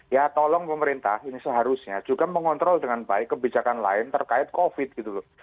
ya tolong pemerintah ini seharusnya juga mengontrol dengan baik kebijakan lain terkait covid gitu loh